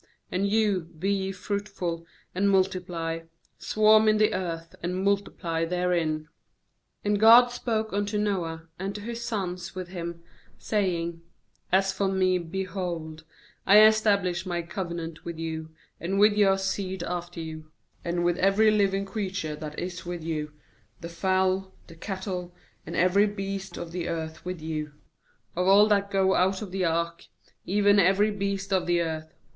7And you, be ye fruitful, and multiply; swarm in the earth, and multiply therein.' 8And God spoke unto Noah, and to his sons with him, saying : 9'As for Me, behold, I establish My covenant with you, and with your seed after you; 10and with every living creature that is with you, the fowl, the cattle, and every beast of the earth with you; of all that go out of the ark, even every beast of the earth.